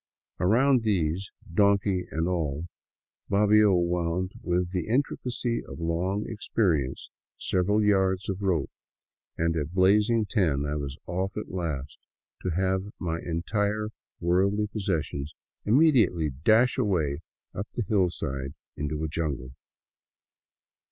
Around these, donkey and all, Bobbio wound with the intricacy of long experience several yards of rope, and at blazing ten I was off at last — to have my entire worldly possessions immediately dash away up the hillside into a jungle.